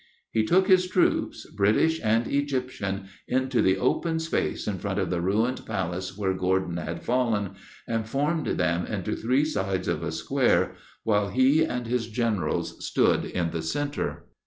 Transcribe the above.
He took his troops, British and Egyptian, into the open space in front of the ruined Palace where Gordon had fallen, and formed them into three sides of a square, while he and his generals stood in the centre.